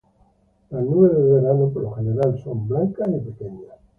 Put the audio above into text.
Las nubes de verano por lo general son blancas y pequeñas.